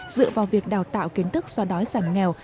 dựa vào việc đào tạo kiến thức xóa đói giảm nghèo